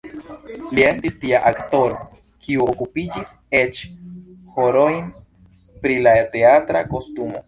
Li estis tia aktoro, kiu okupiĝis eĉ horojn pri la teatra kostumo.